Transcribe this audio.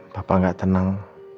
papa gak tenang